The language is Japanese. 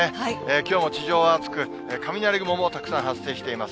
きょうも地上は暑く、雷雲もたくさん発生しています。